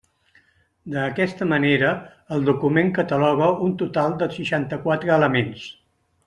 D'aquesta manera, el document cataloga un total de seixanta-quatre elements.